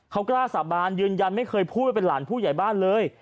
เขากล้าสาบานยืนยันไม่เคยพูดว่าเป็นหลานผู้ใหญ่บ้านเลย